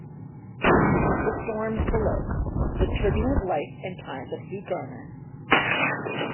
The Storms Below: The Turbulent Life and Times of Hugh Garner.